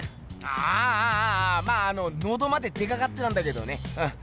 あぁあああまああののどまで出かかってたんだけどねうん。